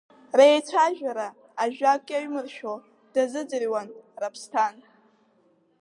Реицәажәара, ажәак иаҩмыршәо, дазыӡырҩуан Раԥсҭан.